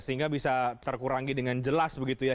sehingga bisa terkurangi dengan jelas begitu ya